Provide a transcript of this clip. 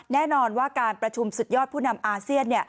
แน่นอนว่าการประชุมสุดยอดผู้นำอาเซียน